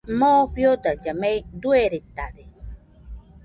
Moo fiodailla mei dueredade